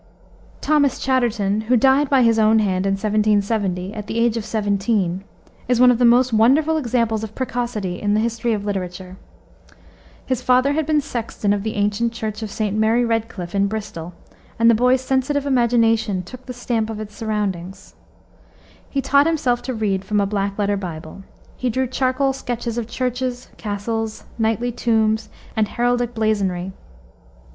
Thomas Chatterton, who died by his own hand in 1770, at the age of seventeen, is one of the most wonderful examples of precocity in the history of literature. His father had been sexton of the ancient Church of St. Mary Redcliff, in Bristol, and the boy's sensitive imagination took the stamp of his surroundings. He taught himself to read from a black letter Bible. He drew charcoal sketches of churches, castles, knightly tombs, and heraldic blazonry.